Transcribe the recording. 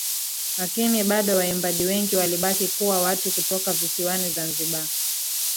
Lakini bado waimbaji wengi walibaki kuwa watu kutoka visiwani zanzibar